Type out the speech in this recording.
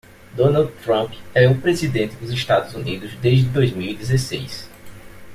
Donald Trump é o presidente dos Estados Unidos desde dois mil e dezesseis.